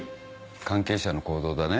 関係者の行動だね。